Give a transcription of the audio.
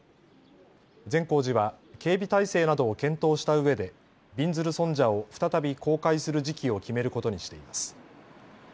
善光寺は警備体制などを検討したうえでびんずる尊者を再び公開する時期を決めることにしています。